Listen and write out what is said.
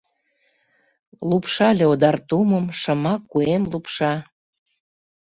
Лупшале одар тумым, Шыма куэм лупша.